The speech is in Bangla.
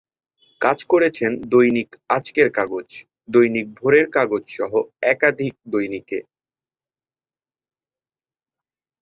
কাজ করেছেন দৈনিক আজকের কাগজ, দৈনিক ভোরের কাগজ সহ একাধিক দৈনিকে।